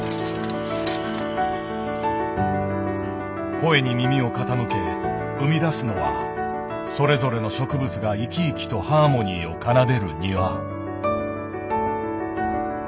声に耳を傾け生み出すのはそれぞれの植物が生き生きとハーモニーを奏でる庭。